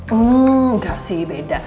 hmm enggak sih beda